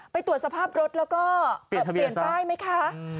ตรวจสภาพรถแล้วก็เปลี่ยนป้ายไหมคะ